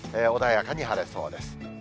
穏やかに晴れそうです。